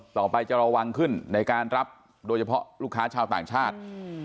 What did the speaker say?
ต่อไปจะระวังขึ้นในการรับโดยเฉพาะลูกค้าชาวต่างชาติ